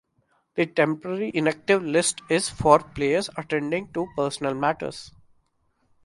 The temporary inactive list is for players attending to personal matters.